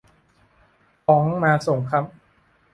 ของมาส่งครับ